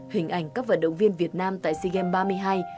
hình ảnh các vận động viên việt nam tại sea games ba mươi hai